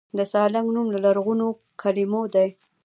د سالنګ نوم له لرغونو کلمو دی